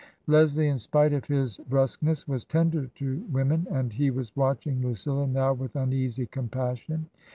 Leslie, in spite of his brusqueness, was tender to women, and he was watching Lucilla now with uneasy compassion.